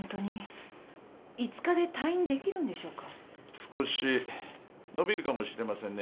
少し延びるかもしれませんね。